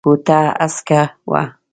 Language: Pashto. کوټه هسکه وه.